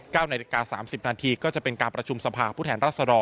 นาฬิกาสามสิบนาทีก็จะเป็นการประชุมสภาผู้แทนรัศดร